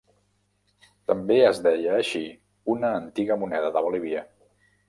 També es deia així una antiga moneda de Bolívia.